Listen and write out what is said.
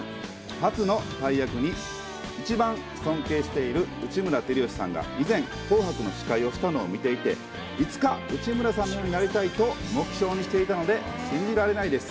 初の大役に、一番尊敬している内村光良さんが以前、紅白の司会をしたのを見ていて、いつか内村さんのようになりたいと、目標にしていたので信じられないです。